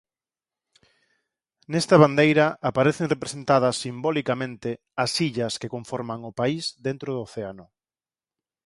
Nesta bandeira aparecen representadas simbolicamente as illas que conforman o país dentro do océano.